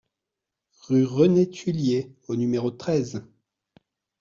Rue René Thuillier au numéro treize